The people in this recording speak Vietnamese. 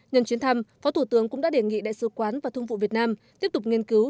nhân chuyến thăm phó thủ tướng cũng đã đề nghị đại sứ quán và thương vụ việt nam tiếp tục nghiên cứu